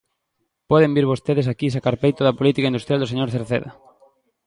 ¡Poden vir vostedes aquí sacar peito da política industrial do señor Cerceda!